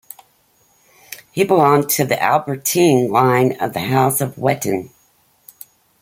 He belonged to the Albertine line of the House of Wettin.